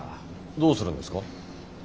どうするんですか？